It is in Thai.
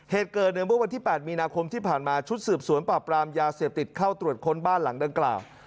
เหตุเกิดในเมื่อวันที่๘มีนาคมที่ผ่านมาชุดสืบสวนปราบรามยาเสพติดเข้าตรวจค้นบ้านหลังดังกล่าว